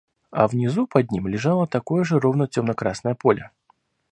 А внизу под ним лежало такое же ровное темно-красное поле.